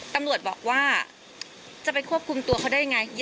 ตำรวจบอกว่าจะไปควบคุมตัวเขาได้ยังไง